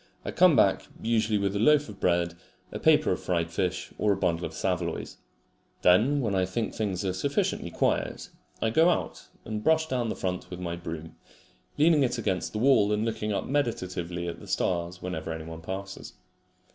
I come back usually with a loaf of bread, a paper of fried fish, or a bundle of saveloys. Then when I think things are sufficiently quiet, I go out and brush down the front with my broom, leaning it against the wall and looking up meditatively at the stars whenever anyone passes.